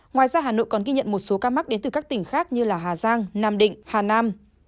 ngoài ra hà nội còn ghi nhận một số ca mắc đến từ các tỉnh khác như hà giang nam định hà nam